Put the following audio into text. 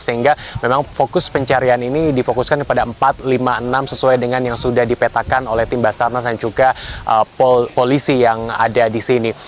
sehingga memang fokus pencarian ini difokuskan kepada empat lima enam sesuai dengan yang sudah dipetakan oleh tim basarnas dan juga polisi yang ada di sini